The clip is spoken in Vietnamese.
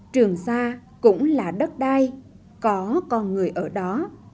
trường sa cũng là đất đai có con người ở đó